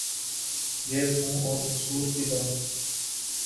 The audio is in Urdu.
یہ منھ اور مسور کی دال